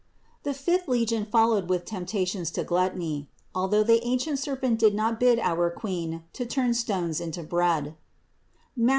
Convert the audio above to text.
350. The fifth legion followed with temptations to gluttony. Although the ancient serpent did not bid our Queen to turn stones into bread (Matth.